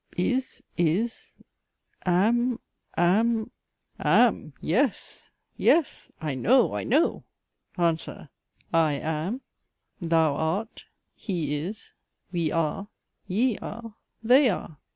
is, is, am, am, am. Yes, yes I know, I know. ANSWER. I am, thou art, he is, we are, ye are, they are.